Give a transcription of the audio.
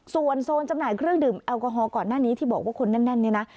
ส่วนโซนจำหน่ายเครื่องดื่มแอลกอฮอล์ก่อนหน้านี้ที่บอกว่าคนแน่นเนี่ยนะ